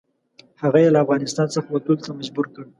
هغه یې له افغانستان څخه وتلو ته مجبور کړ.